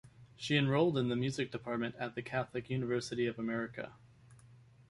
She enrolled in the music department at the Catholic University of America.